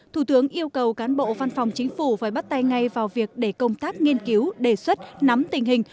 thủ tướng yêu cầu cán bộ văn phòng chính phủ phải bắt tay ngay vào việc để công tác nghiên cứu đề xuất nắm tình hình